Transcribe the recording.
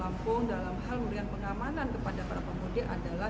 lampung dalam hal memberikan pengamanan kepada para pemudik adalah